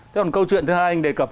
thế còn câu chuyện thứ hai anh đề cập